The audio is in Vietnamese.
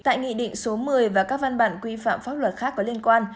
tại nghị định số một mươi và các văn bản quy phạm pháp luật khác có liên quan